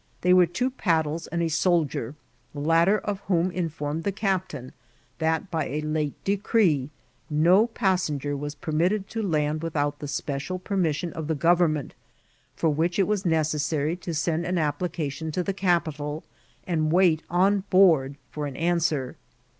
They were two paddles and a soldier, the latter of whom informed the captain that, by a late de* eree, nq passenger was permitted to land without the special permission c^ the government,, for which it vras necessary to send an application to the ciqpital, and wait on board for an answer.